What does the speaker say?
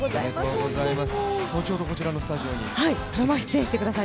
後ほどこちらのスタジオに。